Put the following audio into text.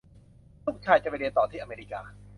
ลูกชายจะไปเรียนต่อที่อเมริกา